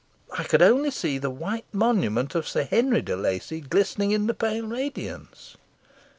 I could only see the white monument of Sir Henry de Lacy glistening in the pale radiance."